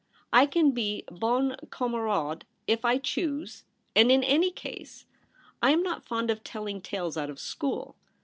I can be bon camarade if I choose, and, in any case, I am not fond of tellinor tales out of school.